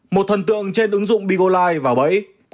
một thần tượng trên ứng dụng begolive vào bẫy